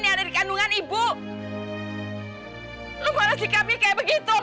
ya dari kandungan ibu berapa sikapnya kayak begitu